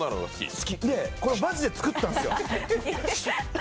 好き、マジで作ったんですよ